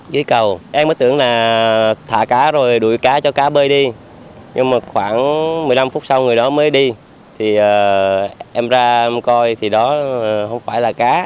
xuống đó nhặt ba cái